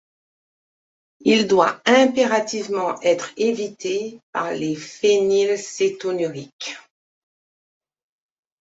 Il doit impérativement être évité par les phénylcétonuriques.